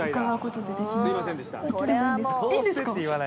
いいんですか。